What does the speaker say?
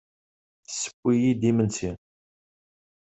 Tesseww-iyi-d imensi.